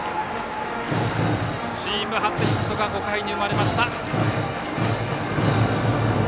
チーム初ヒットが５回に生まれました。